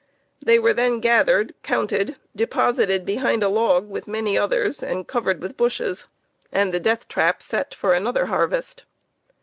They were then gathered, counted, deposited behind a log with many others and covered with bushes, and the death trap set for another harvest.